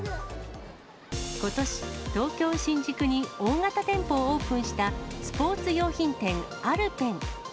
ことし、東京・新宿に大型店舗をオープンしたスポーツ用品店、アルペン。